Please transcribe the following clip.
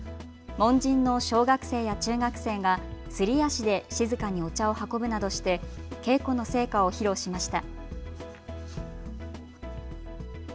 門人の小学生や中学生がすり足で静かにお茶を運ぶなどして稽古の成果を披露しました。